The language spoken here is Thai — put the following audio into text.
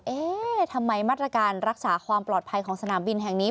เอ๊ะทำไมมาตรการรักษาความปลอดภัยของสนามบินแห่งนี้